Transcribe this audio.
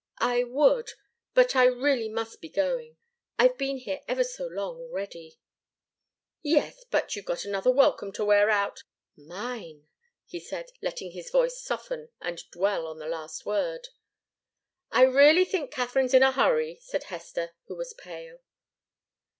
"I would but I really must be going. I've been here ever so long, already." "Yes but you've got another welcome to wear out mine," he said, letting his voice soften and dwell on the last word. "I really think Katharine's in a hurry," said Hester, who was pale.